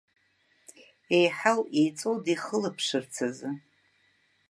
Еиҳау еиҵоу дихылаԥшырц азы.